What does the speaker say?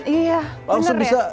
iya bener ya